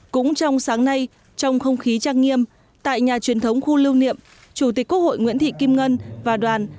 cũng trong sáng nay trong không khí trang nghiêm tại nhà truyền thống khu lưu niệm chủ tịch quốc hội nguyễn thị kim ngân và đoàn